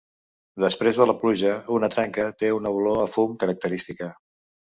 Després de la pluja, una trenca té una olor a fum característica.